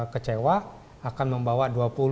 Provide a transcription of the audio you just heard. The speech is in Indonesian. kecewa akan membawa